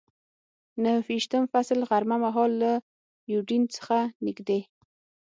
نهه ویشتم فصل، غرمه مهال له یوډین څخه نږدې.